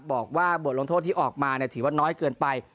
บอกว่าบทลงโทษที่ออกมาถือว่าน้อยเกินไป